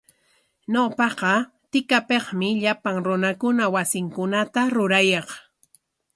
Ñawpaqa tikapikmi llapan runakuna wasinkunata rurayaq.